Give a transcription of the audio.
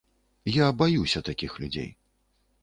Я баюся такіх людзей.